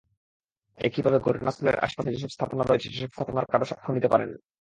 একইভাবে ঘটনাস্থলের আশপাশে যেসব স্থাপনা রয়েছে, সেসব স্থাপনার কারও সাক্ষ্যও নিতে পারেননি।